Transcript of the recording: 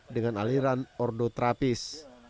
dengan aliran ordo trapis